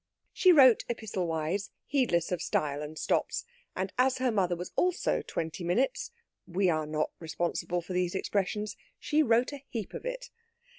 She wrote epistle wise, heedless of style and stops, and as her mother was also twenty minutes we are not responsible for these expressions she wrote a heap of it.